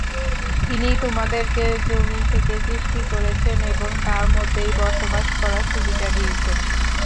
তিনিই তোমাদেরকে যমীন থেকে সৃষ্টি করেছেন এবং তার মধ্যেই বসবাস করার সুবিধা দিয়েছেন।